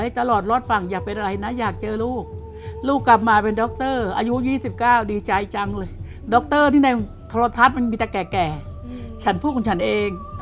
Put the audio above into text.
โทรทัศน์มันมีแต่แก่ฉันพูดของฉันเอง